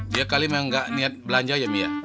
dia kali memang nggak niat belanja ya mia